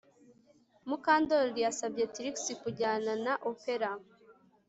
Mukandoli yasabye Trix kujyana na opera